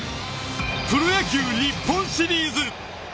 プロ野球日本シリーズ。